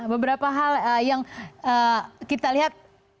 beberapa hal yang kita lihat